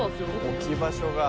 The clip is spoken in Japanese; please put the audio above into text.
置き場所が。